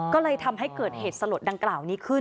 ก็เลยทำให้เกิดเหตุสลดดังกล่าวนี้ขึ้น